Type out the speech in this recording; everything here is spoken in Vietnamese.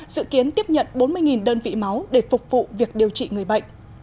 dự kiến tiếp nhận bốn mươi đơn vị máu để phục vụ việc điều trị người bệnh